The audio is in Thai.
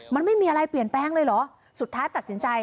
มันไม่มีอะไรเปลี่ยนแปลงเลยเหรอ